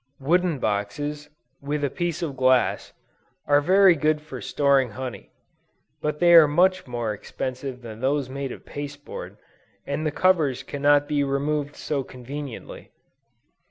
Wooden boxes, with a piece of glass, are very good for storing honey: but they are much more expensive than those made of pasteboard, and the covers cannot be removed so conveniently.